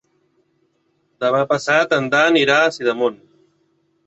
Demà passat en Dan irà a Sidamon.